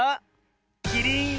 キリン！